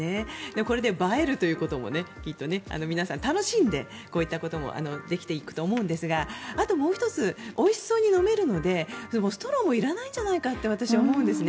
これで映えるということもきっと皆さん楽しんでこういったこともできていくと思うんですがあともう１つおいしそうに飲めるのでストローもいらないんじゃないかと私、思うんですね。